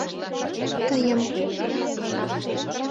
«тыйым»...